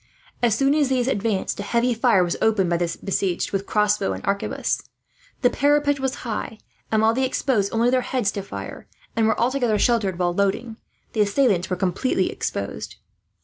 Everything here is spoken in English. As soon as these advanced, a heavy fire was opened by the besieged with crossbow and arquebus. The parapet was high and, while they exposed only their heads to fire, and were altogether sheltered while loading, the assailants were completely exposed.